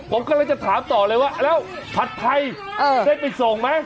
ผมกำลังจะถามต่อเลยว่าแล้วผัดไทยได้ไปส่งไหม